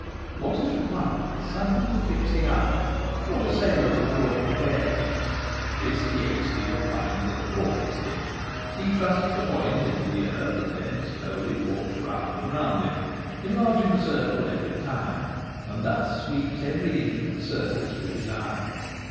What is required is something to fix the eye — what a sailor would call a ' bearing.' This the egg stealer finds in a walking stick. He thrusts the point into the earth, and then slowly walks round and round it, enlarging the circle every time, and thus sweeps every inch of the surface with his eye.